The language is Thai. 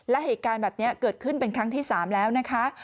และเหตุการณ์แบบนี้เกิดขึ้นเป็นครั้งที่๓แล้วนะคะ